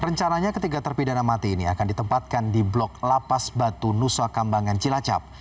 rencananya ketiga terpidana mati ini akan ditempatkan di blok lapas batu nusa kambangan cilacap